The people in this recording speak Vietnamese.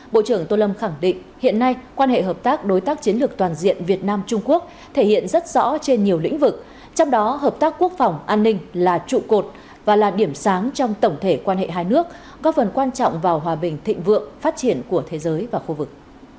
bộ trưởng tô lâm khẳng định hiện nay quan hệ hợp tác đối tác chiến lược toàn diện việt nam trung quốc thể hiện rất rõ trên nhiều lĩnh vực trong đó hợp tác quốc phòng an ninh là trụ cột và là điểm sáng trong tổng thể quan hệ hai nước góp phần quan trọng vào hòa bình thịnh vượng phát triển của thế giới và khu vực